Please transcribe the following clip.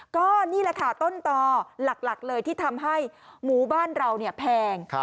ก็นี่แหละค่ะต้นต่อหลักเลยที่ทำให้หมู่บ้านเราแพง